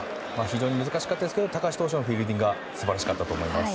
非常に難しかったですけど高橋投手のフィールディングが素晴らしかったと思います。